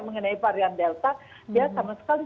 mengenai varian delta dia sama sekali